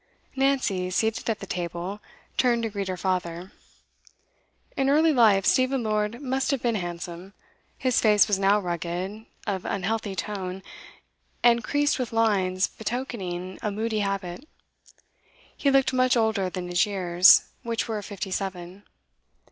Nancy, seated at the table, turned to greet her father. In early life, Stephen Lord must have been handsome; his face was now rugged, of unhealthy tone, and creased with lines betokening a moody habit. He looked much older than his years, which were fifty seven.